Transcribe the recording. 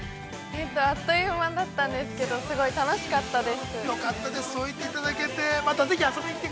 ◆あっという間だったんですけど、すごい楽しかったです。